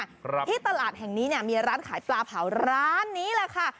ครับที่ตลาดแห่งนี้เนี่ยมีร้านขายปลาเผาร้านนี้แหละค่ะ